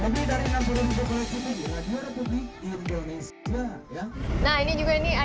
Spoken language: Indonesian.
nah ini juga nih ada penumpang yang kayaknya udah berapa kali naik bus ya